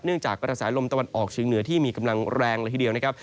เนื่องจากประสาทลมตะวันออกชิงเหนือที่มีกำลังแรงละทีเดียวนะครับ